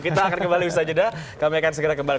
kita akan kembali bersajeda kami akan segera kembali